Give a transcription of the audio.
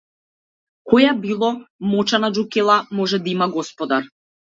Која било мочана џукела може да има господар.